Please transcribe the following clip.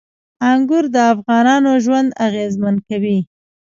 انګور د افغانانو ژوند اغېزمن کوي.